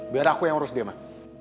biar aku yang urus dia mah